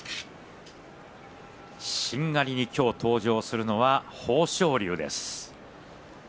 しんがりに登場するのは豊昇龍です。